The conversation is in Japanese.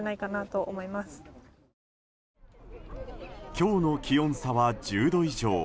今日の気温差は１０度以上。